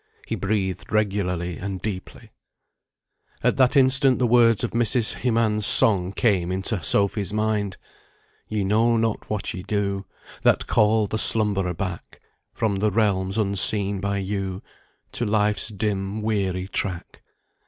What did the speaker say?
He breathed regularly and deeply. At that instant the words of Mrs. Hemans's song came full into Sophy's mind. "Ye know not what ye do, That call the slumberer back From the realms unseen by you, To life's dim, weary track."